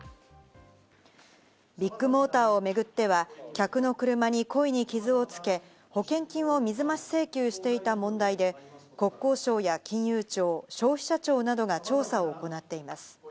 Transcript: ビッグモーターを巡っては、客の車に故意に傷をつけ、保険金を水増し請求していた問題で、国交省や金融庁、消費者庁などが調査を行っています。